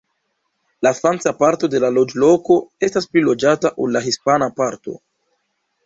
La franca parto de la loĝloko estas pli loĝata ol la hispana parto.